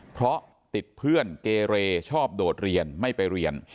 เพราะติดเพื่อนเกเรชอบโดดเรียนไม่ไปเรียน